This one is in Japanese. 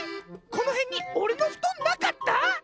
このへんにおれのふとんなかった？